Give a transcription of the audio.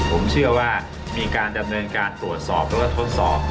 ผมเชื่อว่ามีการดำเนินการตรวจสอบแล้วก็ทดสอบ